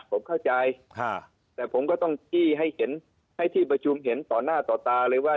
ผมเข้าใจแต่ผมก็ต้องจี้ให้เห็นให้ที่ประชุมเห็นต่อหน้าต่อตาเลยว่า